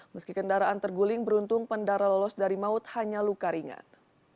meski kendaraan terguling beruntung pendara lolos dari maut hanya luka ringan